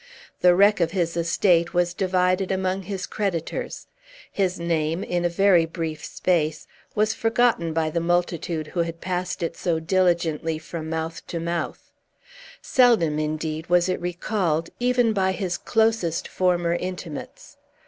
The wreck of his estate was divided among his creditors: His name, in a very brief space, was forgotten by the multitude who had passed it so diligently from mouth to mouth. Seldom, indeed, was it recalled, even by his closest former intimates.